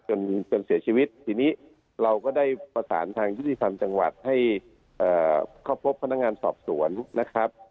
จนเสียชีวิตทีนี้เราก็ได้ประสานทางยุติธรรมจังหวัดให้เข้าพบพนักงานสอบสวนนะครับ